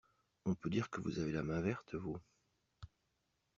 On peut dire que vous avez la main verte, vous!